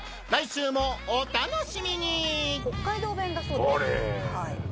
来週もお楽しみに！